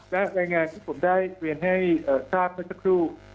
และรายงานที่ผมได้เรียนให้ทราบเมื่อสักครู่